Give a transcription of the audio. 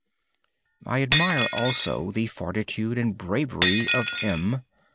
I admire also the fortitude and bravery of M